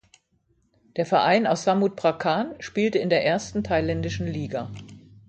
Der Verein aus Samut Prakan spielte in der ersten thailändischen Liga.